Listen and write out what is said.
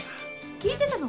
聞いてたの？